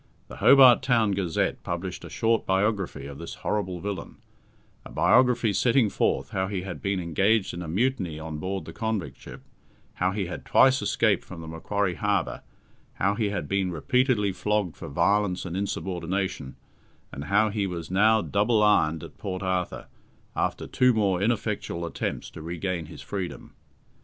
The Hobart Town Gazette published a short biography of this horrible villain a biography setting forth how he had been engaged in a mutiny on board the convict ship, how he had twice escaped from the Macquarie Harbour, how he had been repeatedly flogged for violence and insubordination, and how he was now double ironed at Port Arthur, after two more ineffectual attempts to regain his freedom.